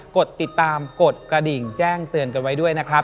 กดติดตามกดกระดิ่งแจ้งเตือนกันไว้ด้วยนะครับ